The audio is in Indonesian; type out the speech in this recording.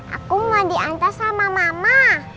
aku mau diantar sama mama